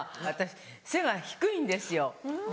私背が低いんですよ。